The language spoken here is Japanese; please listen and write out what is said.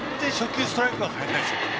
初球ストライクは入らないでしょ。